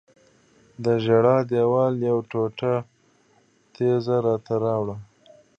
د ژړا دیوال یوه ټوټه تیږه راته راوړه.